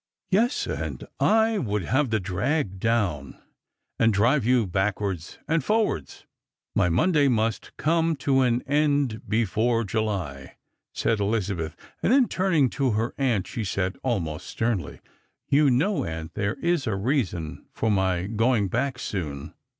" Yes, and I would have the drag down, and drive you back« wards and forwards." Strangers and Pilgrims. 173 " My 5ionday must come to an end before July," said Eliza* betli ; and then turning to her aunt she said almost sternly, •' You know, aunt, there is a reason for my going back soon."